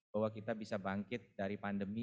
bahwa kita bisa bangkit dari pandemi